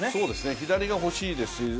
左が欲しいです。